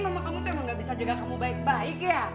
mama kamu tuh emang gak bisa juga kamu baik baik ya